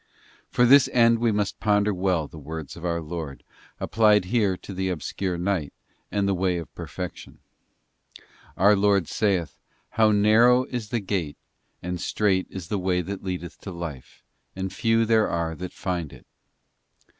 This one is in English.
For this end we must ponder well the words of our Lord, applied here to the obscure night, and the way of perfection. Our Lord saith, ' How narrow is Perfection the gate and strait is the way that leadeth to life; and few labour. there are that find it."